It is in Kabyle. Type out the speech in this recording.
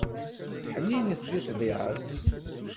Ḥninet deg ṭṭbiɛa-s.